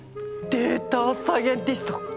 データサイエンティストって